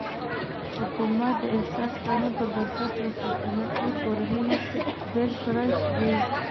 حکومت د اساسي قانون پر بنسټ له سلطنتي کورنۍ نه بېل کړای شو.